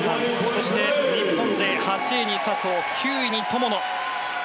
そして日本勢は８位に佐藤９位に友野。